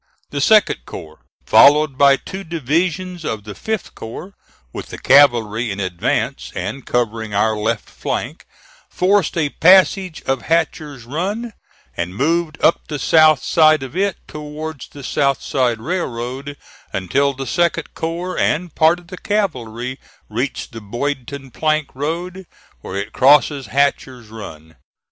The 2d corps, followed by two divisions of the 5th corps, with the cavalry in advance and covering our left flank, forced a passage of Hatcher's Run, and moved up the south side of it towards the South Side Railroad, until the 2d corps and part of the cavalry reached the Boydton Plank Road where it crosses Hatcher's Run.